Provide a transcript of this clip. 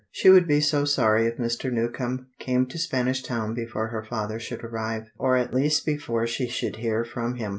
She would be so sorry if Mr. Newcombe came to Spanish Town before her father should arrive, or at least before she should hear from him.